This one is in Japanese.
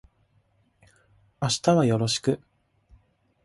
明日はよろしく